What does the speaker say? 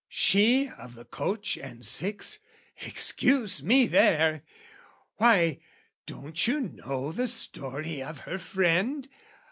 "She of the coach and six excuse me there! "Why, don't you know the story of her friend?